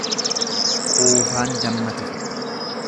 Quufaan damma tufa.